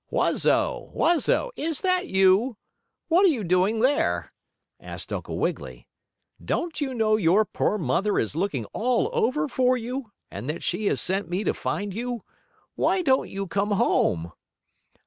"Wuzzo, Wuzzo! Is that you? What are you doing there?" asked Uncle Wiggily. "Don't you know your poor mother is looking all over for you, and that she has sent me to find you? Why don't you come home?"